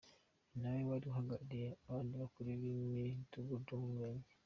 Ni nawe wari uhagarariye abandi bakuru b’imidugudu mu Murenge.